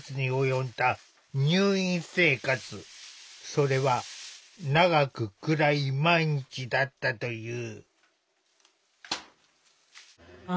それは長く暗い毎日だったという。